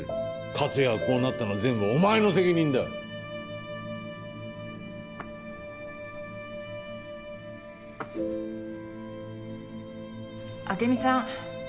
克哉がこうなったのは全部お前の朱美さん